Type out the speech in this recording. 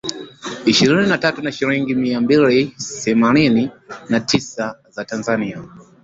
ishirini na tatu na shilingi mia mbili themanini na tisa za Tanzania